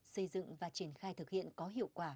xây dựng và triển khai thực hiện có hiệu quả